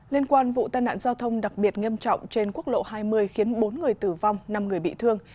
liên quan vụ tai nạn giao thông đặc biệt nghiêm trọng trên quốc lộ hai mươi khiến bốn người tử vong năm người bị thương